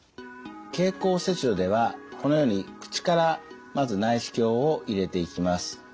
経口切除ではこのように口からまず内視鏡を入れていきます。